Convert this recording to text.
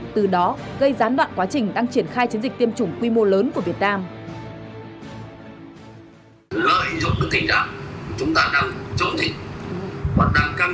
từ đó gây gián đoạn quá trình đang triển khai chiến dịch tiêm chủng quy mô lớn của việt nam